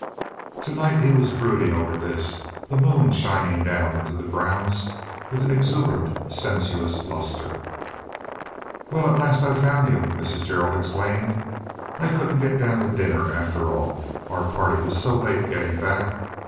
To night he was brooding over this, the moon shining down into the grounds with an exuberant, sensuous luster. "Well, at last I've found you!" Mrs. Gerald exclaimed. "I couldn't get down to dinner, after all. Our party was so late getting back.